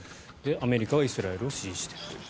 アメリカはイスラエルを支持しているという。